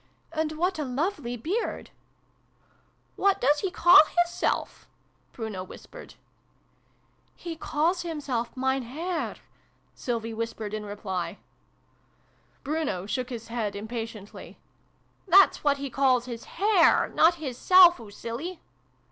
" And what a lovely beard !"" What does he call his self ?" Bruno whispered. xj JABBERING AND JAM. 161 "He calls himself ' Mein Herr,'" Sylvie whispered in reply. Bruno shook his head impatiently. " That's what he calls his hair, not his self, oo silly